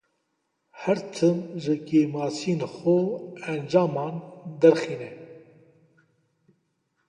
Her tim ji kemasiyên xwe encaman derxîne.